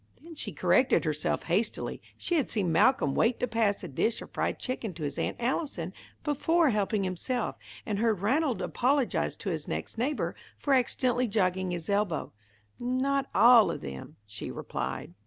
Then she corrected herself hastily. She had seen Malcolm wait to pass a dish of fried chicken to his Aunt Allison before helping himself, and heard Ranald apologise to his next neighbour for accidentally jogging his elbow. "Not all of them," she replied.